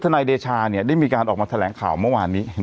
นายเดชาเนี่ยได้มีการออกมาแถลงข่าวเมื่อวานนี้